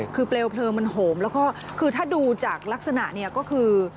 คือเปลวเพลิงมันโหมแล้วก็คือถ้าดูจากลักษณะเนี่ยก็คือ